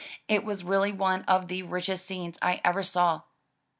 It was really one of the richest scenes I ever saw.